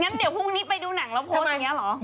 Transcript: เดี๋ยวพรุ่งนี้ไปดูหนังแล้วโพสต์อย่างนี้เหรอ